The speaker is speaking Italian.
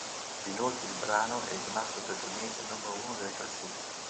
Inoltre il brano è rimasto per due mesi al numero uno delle classifiche.